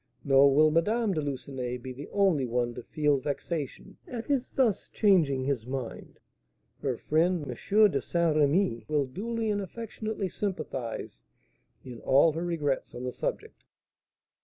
"Nor will Madame de Lucenay be the only one to feel vexation at his thus changing his mind; her friend, M. de St. Remy, will duly and affectionately sympathise in all her regrets on the subject."